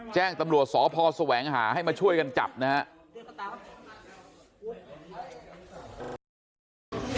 แจ้งตำรวจสพแสวงหาให้มาช่วยกันจับนะครับ